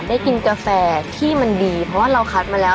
ได้กินกาแฟที่มันดีเพราะว่าเราคัดมาแล้ว